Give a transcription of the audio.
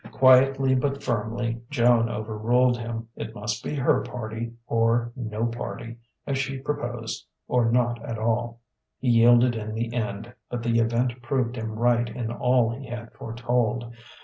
Quietly but firmly Joan overruled him. It must be her party or no party, as she proposed or not at all. He yielded in the end, but the event proved him right in all he had foretold.